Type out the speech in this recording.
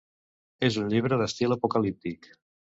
És un llibre d'estil apocalíptic.